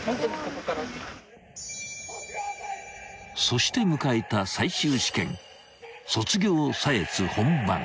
［そして迎えた最終試験卒業査閲本番］